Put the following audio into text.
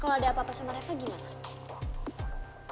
kalau ada apa apa sama mereka gimana